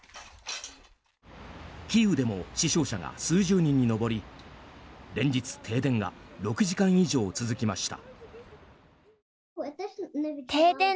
キーウでも死傷者が数十人に上り連日、停電が６時間以上続きました。